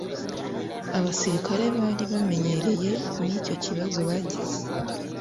abasirikare bari bamenyereye nicyo kibazo bagize